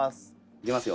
「いきますよ」